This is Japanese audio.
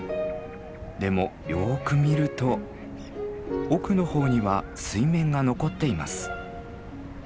でもよく見ると奥のほうには水面が残っています。